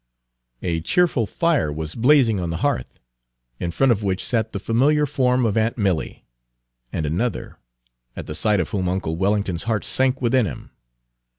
A cheerful fire was blazing on the hearth, in front of which sat the familiar form of aunt Milly and another, at the sight of whom uncle Wellington's heart sank within him.